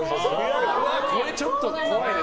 これちょっと次怖いね。